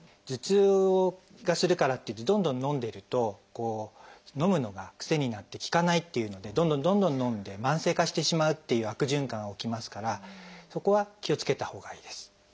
頭痛がするからっていってどんどんのんでるとのむのが癖になって効かないっていうのでどんどんどんどんのんで慢性化してしまうっていう悪循環が起きますからそこは気をつけたほうがいいです。